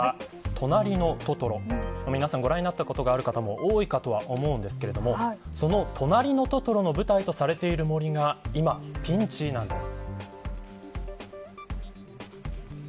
となりのトトロ、皆さんご覧になった方も多いとは思うんですがその、となりのトトロの舞台とされている森が今ピンチなんです。